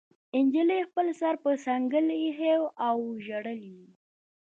نجلۍ خپل سر په خپله څنګله ایښی و او ژړل یې